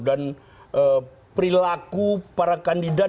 dan perilaku para kandidat